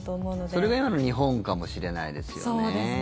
それが今の日本かもしれないですよね。